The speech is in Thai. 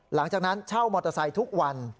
หลังจากนั้นเช่ามอเตอร์ไซค์ทุกวัน